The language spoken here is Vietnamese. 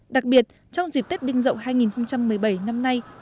đặc biệt trong dịp tết đinh dậu hai nghìn một mươi bảy năm nay